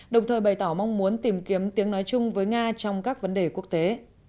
đồng thời bày tỏ mong muốn tìm kiếm tiếng nói chung với nga trong các vấn đề quốc tế